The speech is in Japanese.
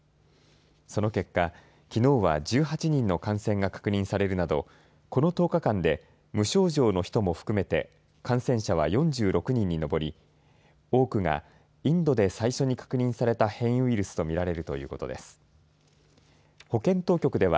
その結果、きのうは１８人の感染が確認されるなどこの１０日間で無症状の人も含めて感染者は４６人に上り多くがインドで最初に確認された変異ウイルスと見られるということです。